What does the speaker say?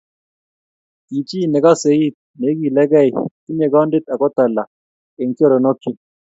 Kichi nekosei it, neikilegei, tinyei kondit ako talaa eng choronokchi